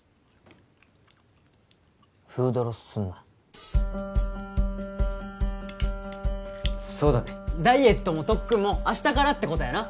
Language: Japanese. フードロスすんなそうだねダイエットも特訓も明日からってことやな